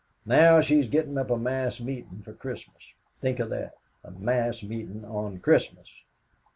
Now, she's gettin' up a mass meetin' for Christmas think of that, a mass meetin' on Christmas.